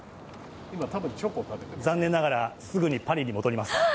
残念ながらすぐにパリに戻ります。